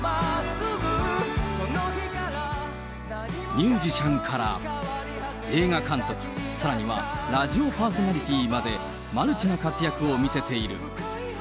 ミュージシャンから映画監督、さらにはラジオパーソナリティーまで、マルチな活躍を見せている。